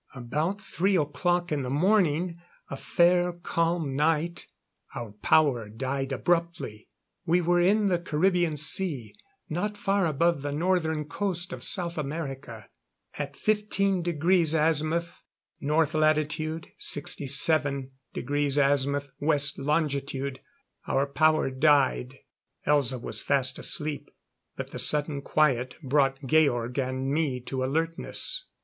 About three o'clock in the morning a fair, calm night our power died abruptly. We were in the Caribbean Sea not far above the Northern coast of South America, at 15° North latitude, 67° West longitude. Our power died. Elza was fast asleep, but the sudden quiet brought Georg and me to alertness.